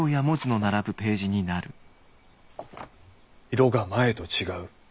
色が前と違う。